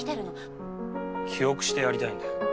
記憶してやりたいんだ。